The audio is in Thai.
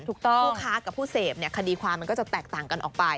ผู้ค้ากับผู้เสพเนี่ยคดีความมันก็จะแตกต่างกันออกไป